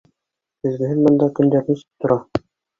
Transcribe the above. Көҙгөһөн бында көндәр нисек тора?